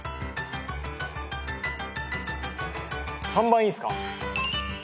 ３番いいっすか？